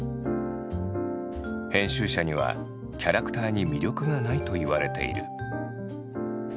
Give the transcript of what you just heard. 編集者には「キャラクターに魅力がない」と言われている。